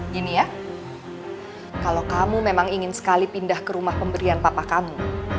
gini ya kalau kamu memang ingin sekali pindah ke rumah pemberian papa kamu